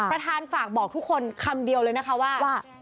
ประธานฝากบอกทุกคนคำเดียวเลยนะคะว่า